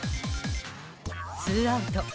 ツーアウト。